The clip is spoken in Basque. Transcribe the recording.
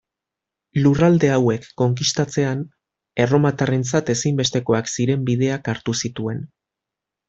Lurralde hauek konkistatzean, erromatarrentzat ezinbestekoak ziren bideak hartu zituen.